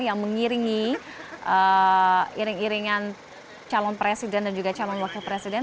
yang mengiringi iring iringan calon presiden dan juga calon wakil presiden